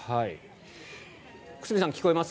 久須美さん、聞こえます？